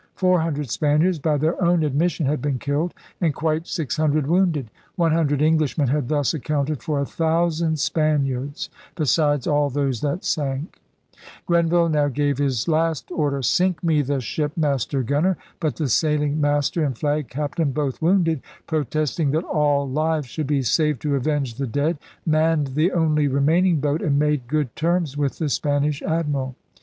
Four hundred Spaniards, by their own ad mission, had been killed, and quite six hundred wounded. One hundred Englishmen had thus accounted for a thousand Spaniards besides all those that sank! Grenville now gave his last order: *Sink me the 200 ELIZABETHAN SEA DOGS ship, Master Gunner!' But the sailing master and flag captain, both wounded, protesting that all lives should be saved to avenge the dead, manned the only remaining boat and made good terms with the Spanish admiral.